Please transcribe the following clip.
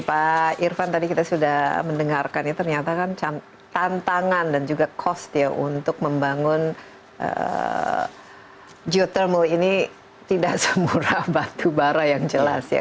pak irfan tadi kita sudah mendengarkan ya ternyata kan tantangan dan juga cost ya untuk membangun geothermal ini tidak semurah batubara yang jelas ya